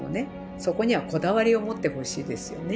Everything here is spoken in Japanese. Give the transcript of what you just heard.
そこにはこだわりを持ってほしいですよね。